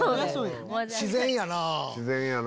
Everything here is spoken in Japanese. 自然やな。